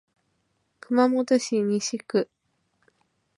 熊本市西区